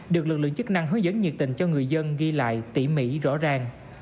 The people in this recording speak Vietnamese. được lực lượng chức năng hướng dẫn nhiệt tình cho người dân ghi lại tỉ mỉ rõ ràng